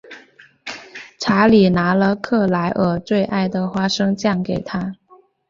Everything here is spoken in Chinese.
查理拿了克莱尔最爱的花生酱给她。